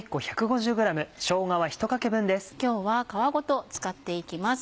今日は皮ごと使っていきます。